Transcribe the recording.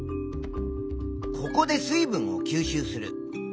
ここで水分を吸収する。